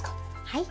はい。